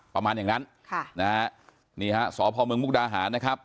ประมาณอย่างนั้นนี่ฮะสอบภอมเมืองมุกดาหารนะครับ